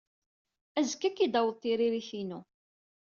Azekka ad k-id-taweḍ tririt-inu.